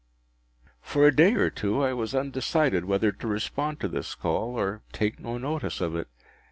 For a day or two I was undecided whether to respond to this call, or take no notice of it.